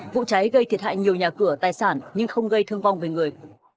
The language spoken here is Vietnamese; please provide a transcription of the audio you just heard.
vụ cháy gây thiệt hại nhiều nhà cửa tài sản nhưng không gây thương vong về người